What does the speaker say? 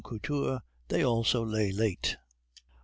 Couture, they also lay late.